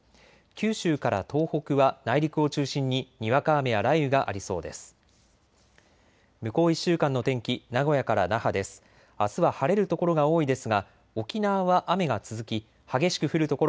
九州から東北は内陸を中心ににわか雨や雷雨がありそうです。